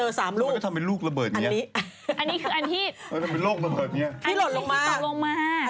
ที่พี่ถามว่ามันคืออะไรตกลงมา